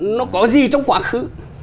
nó có gì trong quá khứ